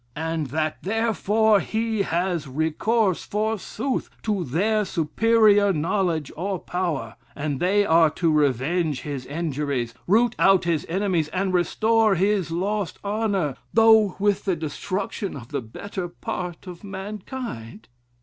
And that, therefore, he has recourse, forsooth, to their superior knowledge or power; and they are to revenge his injuries, root out his enemies, and restore his lost honor, though with the destruction of the better part of mankind?